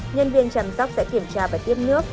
nhân viên chăm sóc sẽ kiểm tra và tiếp nước